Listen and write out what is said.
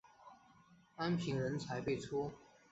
安平人才辈出。